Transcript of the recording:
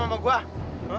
wah kok jadi pahlawan lu